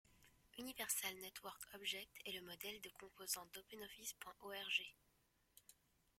Universal Network Object est le modèle de composants d’OpenOffice.org.